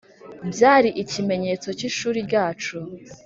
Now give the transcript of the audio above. byari ikimenyetso cyishuri ryacu,